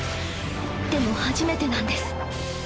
でも初めてなんです